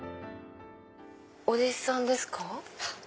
お弟子さんですか？